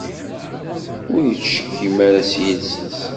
Ur ittcettim ara s yiles-is.